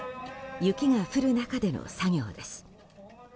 雪が降る中での作業です。